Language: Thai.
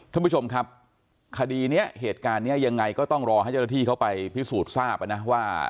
ท่านผู้ชมครับคดีนี้เหตุการณ์นี้ยังไงก็ต้องรอให้เจ้าหน้าที่เขาไปพิสูจน์ทราบนะว่า